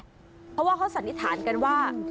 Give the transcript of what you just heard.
เพราะว่าเขาสันนิษฐานกันว่า